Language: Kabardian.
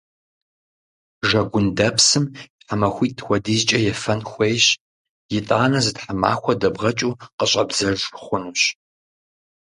Жэгундэпсым тхьэмахуитӀ хуэдизкӀэ ефэн хуейщ. ИтӀанэ зы тхьэмахуэ дэбгъэкӀыу къыщӀэбдзэж хъунущ.